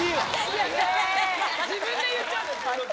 自分で言っちゃうんだ。